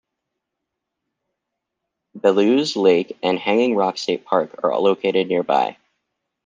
Belews Lake and Hanging Rock State Park are located nearby.